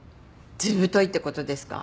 ずぶといってことですか？